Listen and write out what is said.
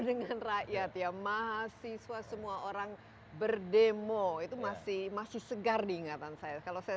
dengan rakyat ya mahasiswa semua orang berdemo itu masih masih segar diingatan saya kalau saya